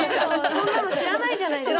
そんなの知らないじゃないですか。